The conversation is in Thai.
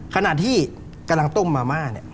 ขณะที่กำลังต้มมาม่า